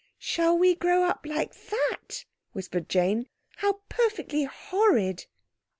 "Shall we grow up like that?" whispered Jane. "How perfectly horrid!"